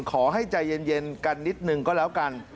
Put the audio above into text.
ขอให้ใจเย็นกันนิดนึงก็แล้วกัน